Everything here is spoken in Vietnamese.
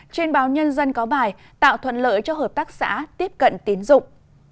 trên báo nhân dân có bài tạo thuận lợi cho hợp tác xã tiếp cận tín dụng